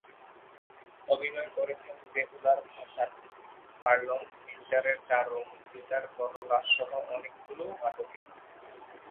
অভিনয় করেছেন বেহুলার ভাসান, হ্যারল্ড পিন্টারের দ্য রুম, সীতার বনবাসসহ অনেকগুলো নাটকে।